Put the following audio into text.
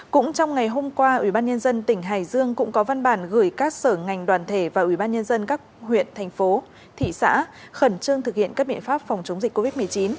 cũng trong ngày hôm qua ủy ban nhân dân tỉnh hải dương cũng có văn bản gửi các sở ngành đoàn thể và ủy ban nhân dân các huyện thành phố thị xã khẩn trương thực hiện các biện pháp phòng chống dịch covid một mươi chín